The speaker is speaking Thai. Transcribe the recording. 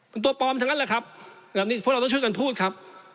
เป็นตัวปลอมทั้งนั้นแหละครับแบบนี้พวกเราต้องช่วยกันพูดครับ